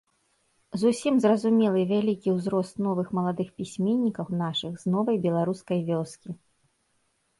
Зусім зразумелы вялікі ўзрост новых маладых пісьменнікаў нашых з новай беларускай вёскі.